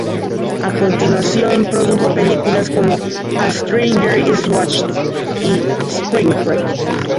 A continuación produjo películas como "A Stranger is Watching" y "Spring Break".